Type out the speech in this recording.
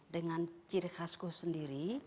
dengan ciri khasku sendiri